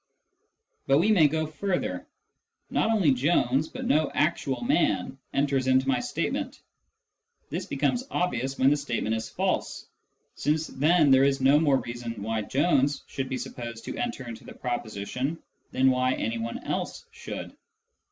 But we may go further : not only Jones, but no actual man, enters into my statement. This becomes obvious when the state ment is false, since then there is no more reason why Jones should be supposed to enter into the proposition than why any one else should.